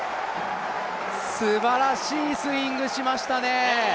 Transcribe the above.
すばらしいスイングしましたね。